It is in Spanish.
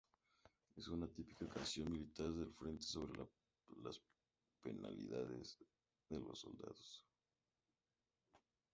Es una típica canción militar del frente sobre las penalidades de los soldados.